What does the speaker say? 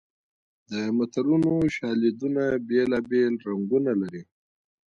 د متلونو شالیدونه بېلابېل رنګونه لري